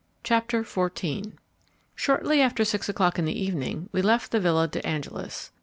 CHAPTER XIV Shortly after six o'clock in the evening we left the Villa de Angelis.